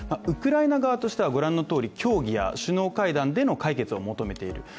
ウクライナ側としては御覧のとおり、協議や首脳会談での解決を求めている。